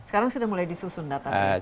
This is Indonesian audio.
sekarang sudah mulai disusun database